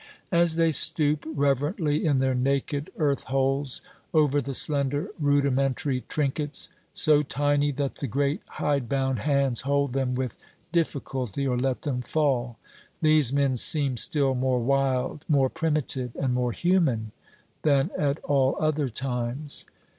As they stoop reverently, in their naked earth holes, over the slender rudimentary trinkets so tiny that the great hide bound hands hold them with difficulty or let them fall these men seem still more wild, more primitive, and more human, than at all other times.